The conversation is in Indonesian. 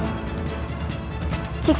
aku akan mencari dia